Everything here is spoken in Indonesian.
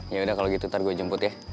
yaudah kalau gitu ntar gue jemput ya